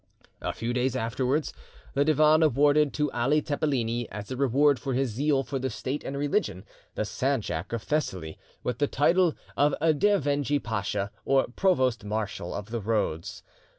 A few days afterwards, the Divan awarded to Ali Tepeleni, as a reward for his zeal for the State and religion, the sanjak of Thessaly, with the title of Dervendgi pacha, or Provost Marshal of the roads.